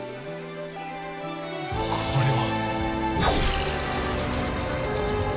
これは。